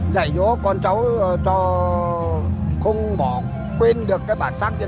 dạy dỗ con cháu cho không bỏ quên được cái bản sắc